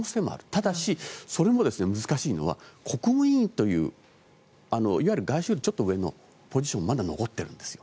ただ、それも難しいのは国務委員といういわゆる外相よりちょっと上のポジションがまだ残ってるんです。